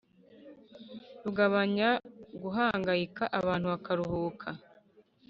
rugabanya guhangayika abantu bakaruhuka